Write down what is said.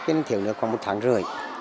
nên thiếu nước khoảng một tháng rưỡi